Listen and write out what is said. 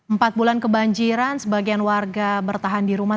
empat bulan kebanjiran sebagian warga bertahan di rumah